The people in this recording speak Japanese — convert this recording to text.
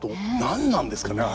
何なんですかね。